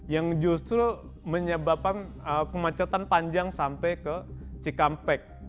yang justru menyebabkan kemacetan panjang sampai ke cikampek